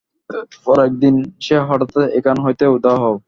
পরে একদিন সে হঠাৎ এখান হইতে উধাও হয়।